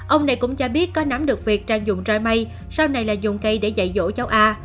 ông này cũng cho biết có nắm được việc trang dùng roi sau này là dùng cây để dạy dỗ cháu a